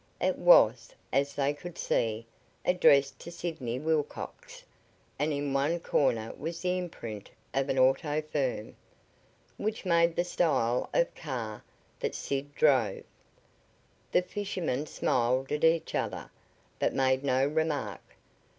It was, as they could see, addressed to Sidney Wilcox, and in one corner was the imprint of an auto firm, which made the style of car that Sid drove. The fishermen smiled at each other, but made no remark.